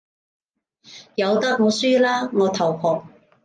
由得我輸啦，我投降